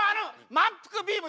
まんぷくビーム！